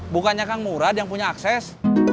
bukannya kan murah diang punya akses